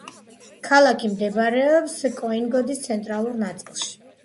ქალაქი მდებარეობს კიონგიდოს ცენტრალურ ნაწილში.